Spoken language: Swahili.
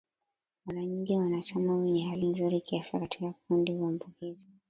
Mara nyingi wanyama wenye hali nzuri kiafya katika kundi huambukizwa